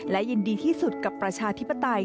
และยินดีที่สุดกับประชาธิปไตย